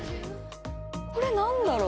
これ何だろう？